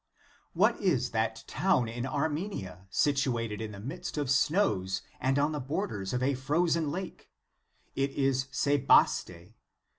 * What is that town in Armenia, situated in the midst of snows, and on the borders of a frozen lake ? It is Sebaste.